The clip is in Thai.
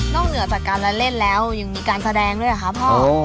น้องเหนือแต่การเล่นแล้วยังมีการแสดงด้วยค่ะพ่อ